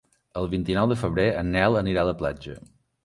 El vint-i-nou de febrer en Nel anirà a la platja.